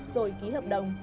rồi ký hợp đồng